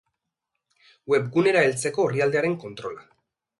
Webgunera heltzeko orrialdearen kontrola.